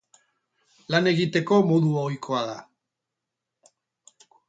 Lan egiteko modu ohikoa da.